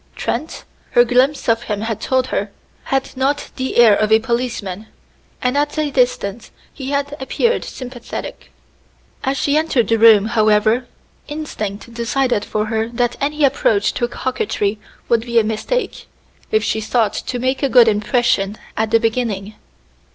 Trent, her glimpse of him had told her, had not the air of a policeman, and at a distance he had appeared sympathetique. As she entered the room, however, instinct decided for her that any approach to coquetry would be a mistake, if she sought to make a good impression at the beginning.